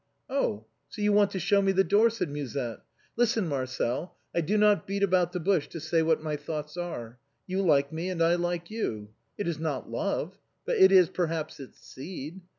" Oh ! so you want to show me the door ?" said Musette. MADEMOISELLE MUSETTE. 81 " Listen, Marcel, I do not beat about the bush to say what my thoughts are. You like me and I like you. It is not love, but it is perhaps its seed.